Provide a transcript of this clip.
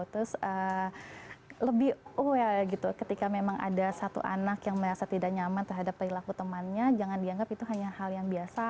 terus lebih oh ya gitu ketika memang ada satu anak yang merasa tidak nyaman terhadap perilaku temannya jangan dianggap itu hanya hal yang biasa